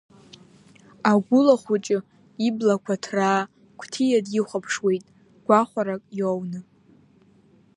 Агәыла хәыҷы иблақәа ҭраа Қәҭиа дихәаԥшуеит, гәахәарак иоуны.